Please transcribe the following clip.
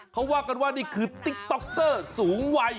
เขาว่ากันว่านี่คือติ๊กต๊อกเตอร์สูงวัย